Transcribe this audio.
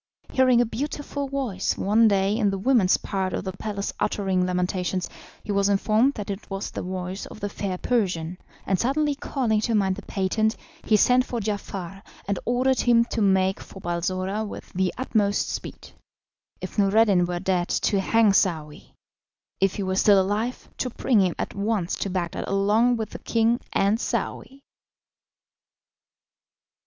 Hearing a beautiful voice one day in the women's part of the palace uttering lamentations, he was informed that it was the voice of the fair Persian, and suddenly calling to mind the patent, he sent for Giafar, and ordered him to make for Balsora with the utmost speed if Noureddin were dead, to hang Saouy; if he were still alive, to bring him at once to Bagdad along with the king and Saouy.